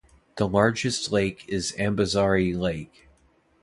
The largest lake is Ambazari Lake.